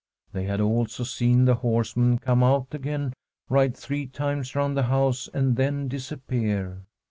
They had also seen the horse man come out again, ride three times round the house and then disappear.